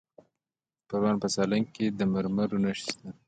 د پروان په سالنګ کې د مرمرو نښې شته.